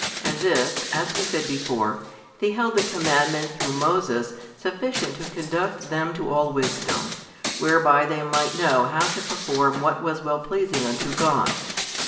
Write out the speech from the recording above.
as if, as we said before, they held the commandment through Moses sufficient to conduct them to all wisdom, whereby they might know how to perform what was well pleasing unto God.